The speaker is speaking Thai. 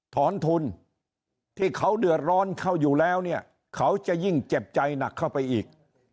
ถอนทุนที่เขาเดือดร้อนเข้าอยู่แล้วเนี่ยเขาจะยิ่งเจ็บใจหนักเข้าไปอีก